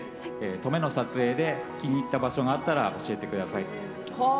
登米の撮影で気に入った場所があったら教えてください。